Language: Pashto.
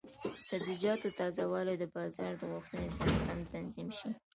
د سبزیجاتو تازه والي د بازار د غوښتنې سره سم تنظیم شي.